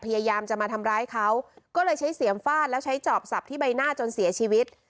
พยายามจะมาทำร้ายเขาก็เลยใช้เสียมฟาดแล้วใช้จอบสับที่ใบหน้าจนเสียชีวิต